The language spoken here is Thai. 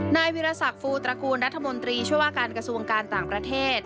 นายวิรสักฟูตระกูลรัฐมนตรีช่วยว่าการกระทรวงการต่างประเทศ